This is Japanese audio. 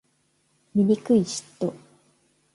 醜い嫉妬